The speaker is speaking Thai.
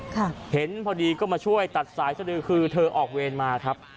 เห็นพอดีก็มาช่วยตัดสายสดือคือเธอออกเวรมาครับ